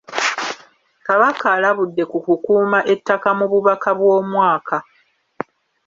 Kabaka alabudde ku kukuuma ettaka mu bubaka bw'omwaka.